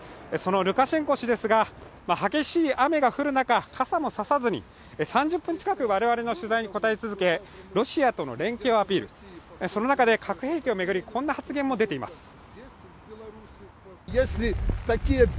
そのルカシェンコ氏ですが、激しい雨が降る中、傘も差さずに３０分近く、我々の取材に答え続けロシアとの連携をアピール、その中で核兵器を巡りこんな発言も出ています。